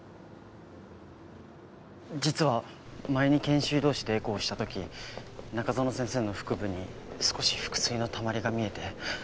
実は前に研修医同士でエコーした時中園先生の腹部に少し腹水のたまりが見えて。